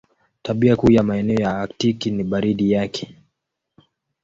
Tabia kuu ya maeneo ya Aktiki ni baridi yake.